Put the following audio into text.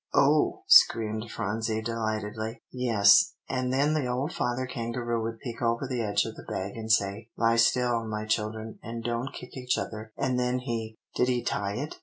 "Oh!" screamed Phronsie delightedly. "Yes, and then the old father kangaroo would peek over the edge of the bag and say, 'Lie still, my children, and don't kick each other;' and then he" "Did he tie it?"